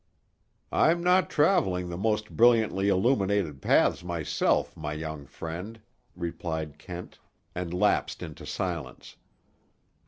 "I'm not traveling the most brilliantly illuminated paths myself, my young friend," replied Kent, and lapsed into silence.